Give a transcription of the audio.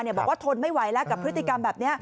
บอกว่าทนไม่ไหวแล้วกับพฤติกรรมแบบนี้